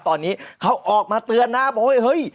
ตอนนี้เขาออกมาเตือนนะบอกว่าเฮ้ย